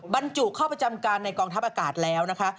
บรรจุเข้าประจำการในกองทัพอากาศแล้วนะคะ